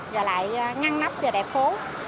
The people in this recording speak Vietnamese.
và lại ngăn nắp cho đẹp phố